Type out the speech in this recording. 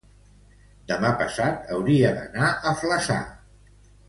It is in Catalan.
demà passat hauria d'anar a Flaçà.